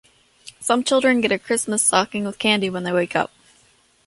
Some children get a Christmas stocking with candy when they wake up.